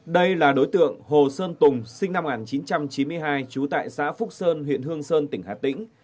đây là đối tượng hồ sơn tùng sinh năm một nghìn chín trăm chín mươi hai trú tại xã phúc sơn huyện hương sơn tỉnh hà tĩnh